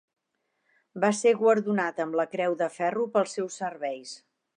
Va ser guardonat amb la Creu de Ferro pels seus serveis.